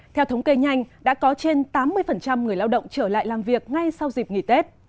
theo thống kê nhanh đã có trên tám mươi người lao động trở lại làm việc ngay sau dịp nghỉ tết